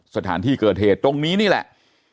สถานที่เกิดเหตุตรงนี้นี่แหละ